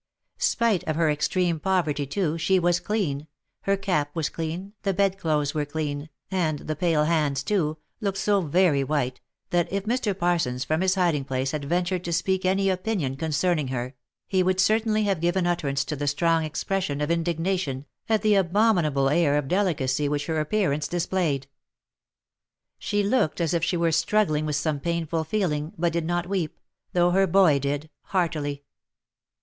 Spite of her extreme poverty too, she was clean — her cap was clean, the bedclothes were clean, and the pale hands too, looked so very white, that if Mr. Parsons from his hiding place had ventured to speak any opinion concerning her, he would certainly'Jiave given utter ance to a strong expression of indignation, at the abominable air of delicacy which her appearance displayed. She looked as if she were struggling with some painful feeling, but did not weep, though her boy did, heartily.